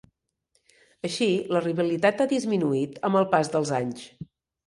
Així, la rivalitat ha disminuït amb el pas dels anys